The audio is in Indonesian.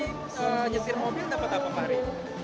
nah habis tadi nyetir mobil dapet apa pak ari